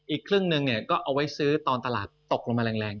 อีกครึ่งหนึ่งก็เอาไว้ซื้อตอนตลาดตกลงมาแรง